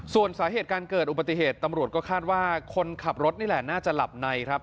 ส่วนสาเหตุการเกิดอุบัติเหตุตำรวจก็คาดว่าคนขับรถนี่แหละน่าจะหลับในครับ